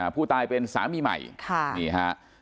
ผู้ตายเป็นสามีเก่าของแฟนสาวคนปัจจุบันของผู้ตาย